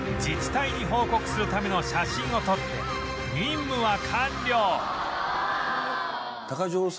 自治体に報告するための写真を撮って任務は完了